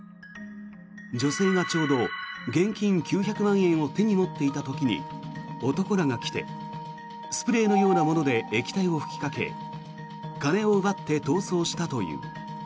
女性がちょうど現金９００万円を手に持っていた時に男らが来てスプレーのようなもので液体を吹きかけ金を奪って逃走したという。